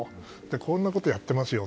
こんなことやっていますよと。